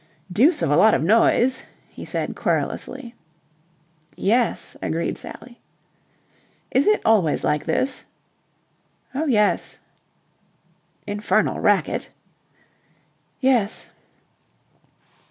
"Deuce of a lot of noise," he said querulously. "Yes," agreed Sally. "Is it always like this?" "Oh, yes." "Infernal racket!" "Yes."